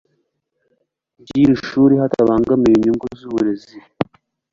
nyir ishuri hatabangamiwe inyungu z uburezi